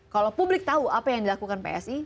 kalau publik tahu apa yang dilakukan psi